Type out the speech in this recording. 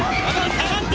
下がって！